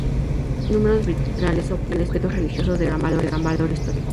Posee numerosos vitrales y objetos religiosos de gran valor histórico.